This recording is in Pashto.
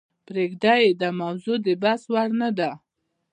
پریږده یې داموضوع دبحث وړ نه ده .